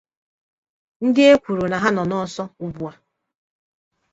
ndị e kwuru na ha nọ n'ọsọ ugbua